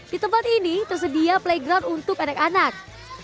di tempat ini tersedia playground untuk anak anak